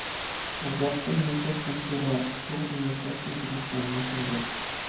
ئۇزاقتىن ياشاشتىن كۆرە، توغرا ياشاشنى بىلىشىڭ مۇھىمدۇر.